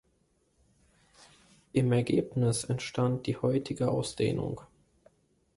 Im Ergebnis entstand die heutige Ausdehnung.